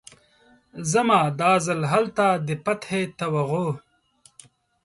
ځمه، دا ځل هلته د فتحې توغ